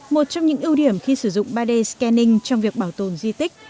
một trong những ưu điểm khi sử dụng ba d scanning trong việc bảo tồn di tích